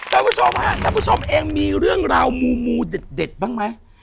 คุณผู้ชมค่ะคุณผู้ชมเองมีเรื่องราวมูเด็ดบ้างไหม